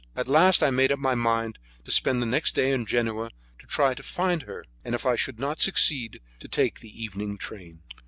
At last I made up my mind to spend the next day in Genoa to try to find her, and if I should not succeed, to take the evening train.